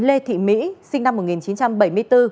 lê thị mỹ sinh năm một nghìn chín trăm bảy mươi bốn